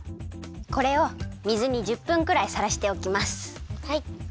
これを水に１０分くらいさらしておきます。